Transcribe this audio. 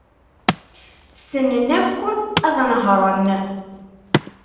Ssnen akk ad nehṛen.